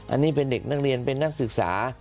อันนี้เป็นเด็กนักเรียนเป็นนักศึกษา